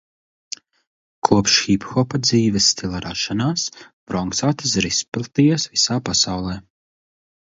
Kopš hiphopa dzīvesstila rašanās Bronksā tas ir izplatījies visā pasaulē.